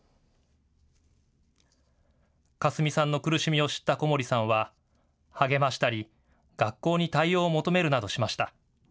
香澄さんの苦しみを知った小森さんは励ましたり学校に対応を求めるなどしました。